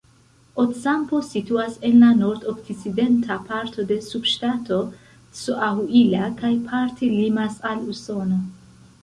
Ocampo situas en la nord-okcidenta parto de subŝtato Coahuila kaj parte limas al Usono.